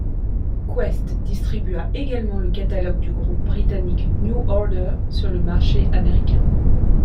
Qwest distribua également le catalogue du groupe britannique New Order sur le marché américain.